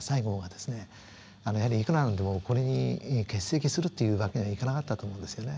やはりいくらなんでもこれに欠席するというわけにはいかなかったと思うんですよね。